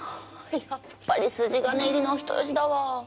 やっぱり筋金入りのお人好しだわ。